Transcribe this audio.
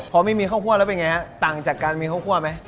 พอไม่มีข้าวคั่วแล้วเป็นไงฮะต่างจากการมีข้าวคั่วไหม